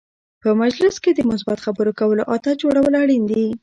په مجلس کې د مثبت خبرو کولو عادت جوړول اړین دي.